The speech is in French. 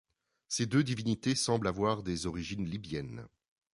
Ces deux divinités semblent avoir des origines libyennes.